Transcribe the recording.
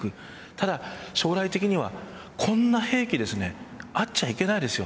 ただ将来的にはこんな兵器ですねあっちゃいけないですよ。